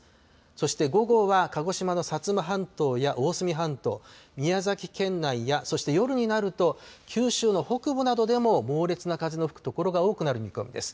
そして午後は鹿児島の薩摩半島や大隅半島、宮崎県内や、そして夜になると、九州の北部などでも猛烈な風の吹く所が多くなる見込みです。